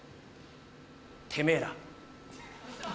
てめぇら。